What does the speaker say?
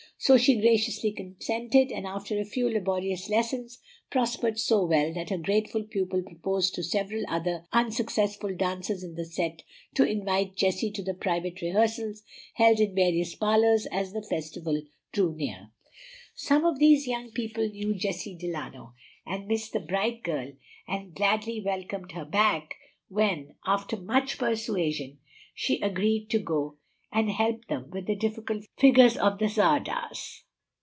So she graciously consented, and after a few laborious lessons prospered so well that her grateful pupil proposed to several other unsuccessful dancers in the set to invite Jessie to the private rehearsals held in various parlors as the festival drew near. Some of these young people knew Jessie Delano, had missed the bright girl, and gladly welcomed her back when, after much persuasion, she agreed to go and help them with the difficult figures of the tzardas.